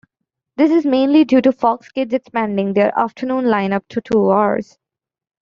This is mainly due to Fox Kids expanding their afternoon lineup to two hours.